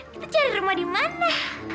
kita cari rumah dimana